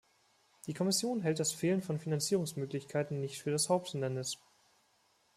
Die Kommission hält das Fehlen von Finanzierungsmöglichkeiten nicht für das Haupthindernis.